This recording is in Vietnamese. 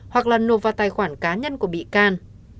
hoặc là nộp vào tài khoản cá nhân của bị can